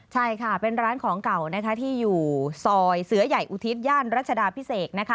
ใช่ค่ะเป็นร้านของเก่านะคะที่อยู่ซอยเสือใหญ่อุทิศย่านรัชดาพิเศษนะคะ